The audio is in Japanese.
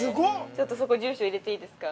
◆ちょっとそこ、住所入れていいですか。